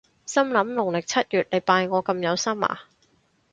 心諗農曆七月你拜我咁有心呀？